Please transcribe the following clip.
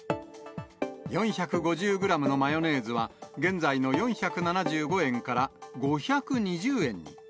４５０グラムのマヨネーズは現在の４７５円から５２０円に。